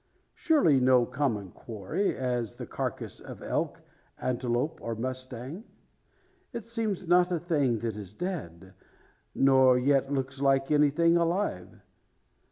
Surely no common quarry, as the carcase of elk, antelope, or mustang? It seems not a thing that is dead. Nor yet looks it like anything alive.